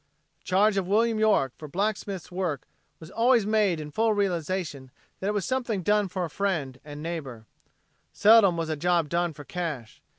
The charge of William York for blacksmith's work was always made in full realization that it was something done for a friend and neighbor. Seldom was a job done for cash.